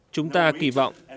chúng ta kỳ vọng